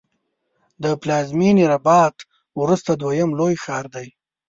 د پلازمېنې رباط وروسته دویم لوی ښار دی.